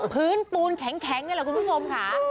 พื้นปูนแข็งนี่แหละคุณผู้ชมค่ะ